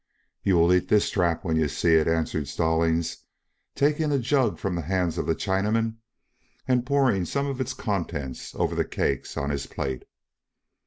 "You will eat this strap when you see it," answered Stallings, taking a jug from the hands of the Chinaman and pouring some of its contents over the cakes on his plate.